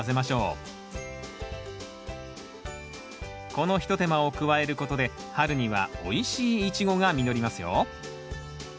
この一手間を加えることで春にはおいしいイチゴが実りますよ